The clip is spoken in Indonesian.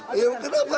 nggak disini juga